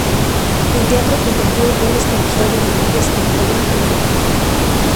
En teatro compartió roles con Gustavo Rodríguez en la obra "La Revolución".